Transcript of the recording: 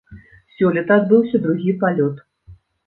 Сёлета адбыўся другі палёт.